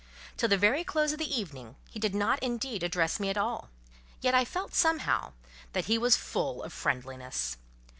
Till the very close of the evening, he did not indeed address me at all, yet I felt, somehow, that he was full of friendliness.